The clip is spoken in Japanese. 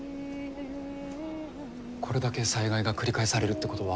これだけ災害が繰り返されるってことは。